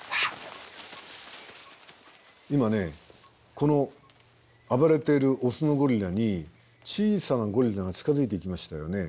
今この暴れているオスのゴリラに小さなゴリラが近づいてきましたよね。